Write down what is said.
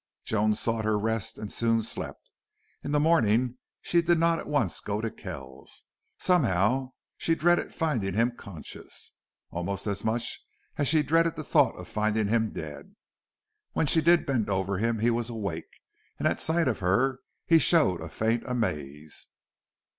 Joan sought her rest and soon slept. In the morning she did not at once go to Kells. Somehow she dreaded finding him conscious, almost as much as she dreaded the thought of finding him dead. When she did bend over him he was awake, and at sight of her he showed a faint amaze.